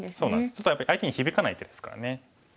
ちょっとやっぱり相手に響かない手ですからね。